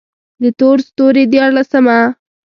د تور ستوري ديارلسمه: